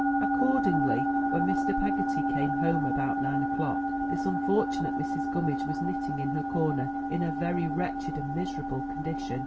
Accordingly, when Mr. Peggotty came home about nine o'clock, this unfortunate Mrs. Gummidge was knitting in her corner in a very wretched and miserable condition.